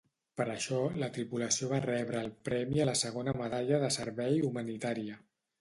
Per això, la tripulació va rebre el premi a la segona Medalla de Servei Humanitària.